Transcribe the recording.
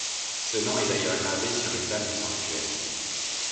Ce nom est d'ailleurs gravé sur une dalle du sanctuaire.